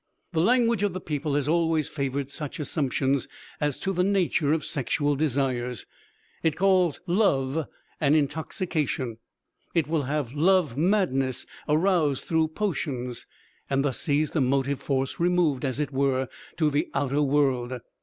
The language of the people has always favored such assumptions as to the nature of sexual desires. It calls love an "intoxication"; it will have love madness aroused through potions, and thus sees the motive force removed, as it were, to the outer world.